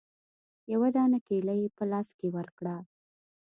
يوه دانه کېله يې په لاس کښې ورکړه.